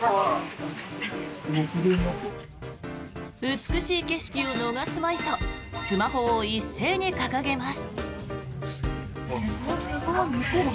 美しい景色を逃すまいとスマホを一斉に掲げます。